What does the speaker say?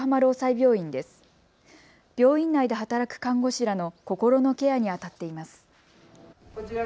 病院内で働く看護師らの心のケアにあたっています。